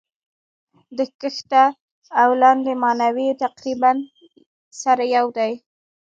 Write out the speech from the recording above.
د کښته او لاندي ماناوي تقريباً سره يو دي.